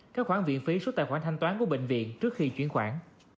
các khoản viện phí số tài khoản thanh toán của bệnh viện trước khi chuyển khoản